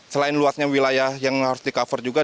selain luasnya wilayah yang harus di cover juga